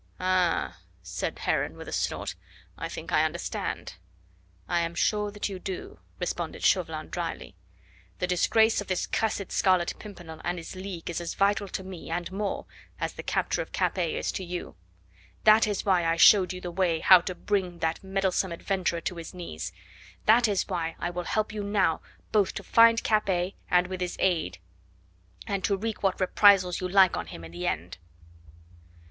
"Ah!" said Heron with a snort, "I think I understand." "I am sure that you do," responded Chauvelin dryly. "The disgrace of this cursed Scarlet Pimpernel and his League is as vital to me, and more, as the capture of Capet is to you. That is why I showed you the way how to bring that meddlesome adventurer to his knees; that is why I will help you now both to find Capet and with his aid and to wreak what reprisals you like on him in the end."